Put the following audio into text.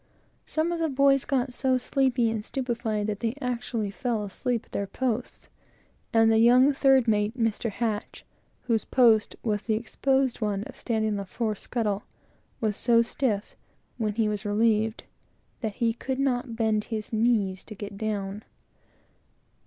Some of the boys got so sleepy and stupefied, that they actually fell asleep at their posts; and the young third mate, whose station was the exposed one of standing on the fore scuttle, was so stiff, when he was relieved, that he could not bend his knees to get down.